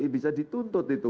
ini bisa dituntut itu